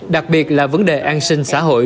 đặc biệt là vấn đề an sinh xã hội